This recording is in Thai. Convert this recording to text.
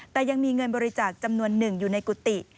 แต่ยังมีเงินบริจาคจำนวนหนึ่งอยู่ในกุฏิ